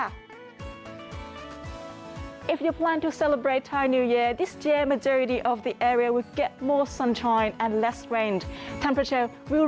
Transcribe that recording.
ถ้าคุณพร้อมเชื่อมเทพฯสุดท้ายนี้บริการที่นี้จะมีเทพฯสุดท้ายและไม่เมือง